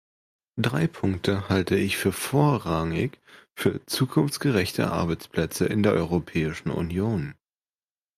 Drei Punkte halte ich für vorrangig für zukunftsgerechte Arbeitsplätze in der Europäischen Union.